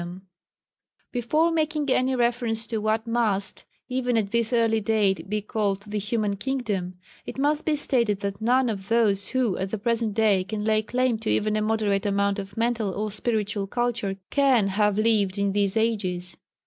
] Before making any reference to what must, even at this early date, be called the human kingdom, it must be stated that none of those who, at the present day, can lay claim to even a moderate amount of mental or spiritual culture can have lived in these ages.